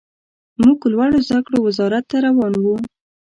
موږ لوړو زده کړو وزارت ته روان وو.